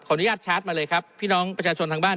อนุญาตชาร์จมาเลยครับพี่น้องประชาชนทางบ้าน